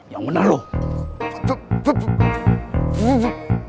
yang bener loh